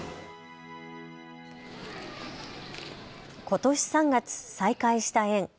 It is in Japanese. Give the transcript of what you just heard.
ことし３月、再開した園。